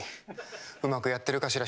うまくやってるかしら。